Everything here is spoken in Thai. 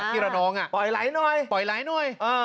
ปล่อยไหลหน่อย